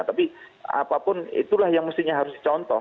tapi apapun itulah yang mestinya harus dicontoh